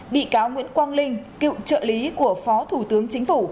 bị cáo nguyễn quang linh cựu trợ lý của phó thủ tướng chính phủ